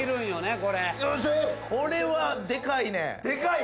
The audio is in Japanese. これはでかいね。